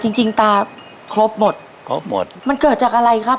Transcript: จริงจริงตาครบหมดครบหมดมันเกิดจากอะไรครับ